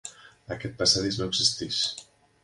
Aquest passadís no existeix.